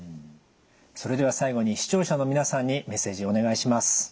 それでは最後に視聴者の皆さんにメッセージお願いします。